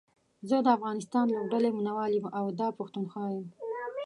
زه دا افغانستان لوبډلې ميناوال يم او دا پښتونخوا يم